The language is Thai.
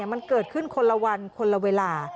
มันเกิดขึ้นคนละวันคนละเวลา